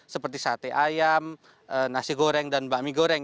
seperti sate ayam nasi goreng dan bakmi goreng